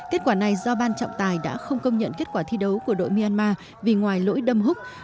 kết quả này do ban trọng tài đã không công nhận kết quả thi đấu của đội myanmar vì ngoài lỗi đâm hút